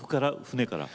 船から？